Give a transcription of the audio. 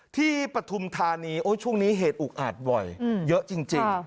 ที่ปฐุมธานีโอ้ยช่วงนี้เหตุอุกอัดบ่อยเยอะจริง